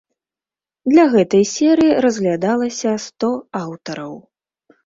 Для гэтай серыі разглядалася сто аўтараў.